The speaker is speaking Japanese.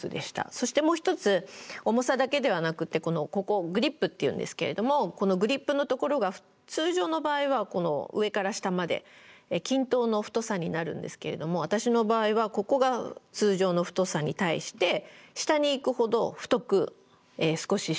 そしてもう一つ重さだけではなくてここグリップっていうんですけれどもこのグリップのところが通常の場合は上から下まで均等の太さになるんですけれども私の場合はここが通常の太さに対して下に行くほど太く少ししています。